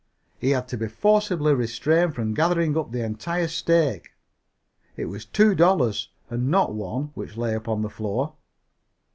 He had to be forcibly restrained from gathering up the entire stake it was two dollars and not one which lay upon the floor.